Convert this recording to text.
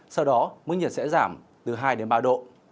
sau đó mức nhiệt sẽ giảm từ hai đến ba độ